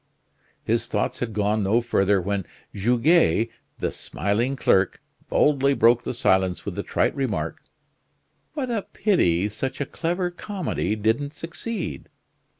His thoughts had gone no further when Goguet, the smiling clerk, boldly broke the silence with the trite remark: "What a pity such a clever comedy didn't succeed."